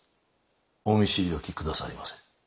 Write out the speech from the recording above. お見知り置きくださりませ。